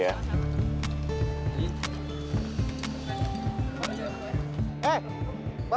eh dong ya